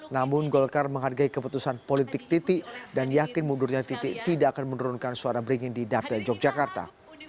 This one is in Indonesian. namun golkar menghargai keputusan politik titi dan yakin mundurnya titi tidak akan menurunkan suara beringin di dapil yogyakarta